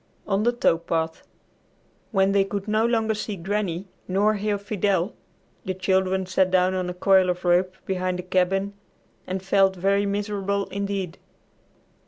X ON THE TOW PATH When they could no longer see Granny, nor hear Fidel, the children sat down on a coil of rope behind the cabin and felt very miserable indeed.